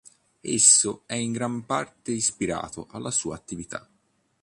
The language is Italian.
Esso è in gran parte ispirato alla sua attività.